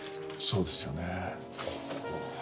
そうですよね。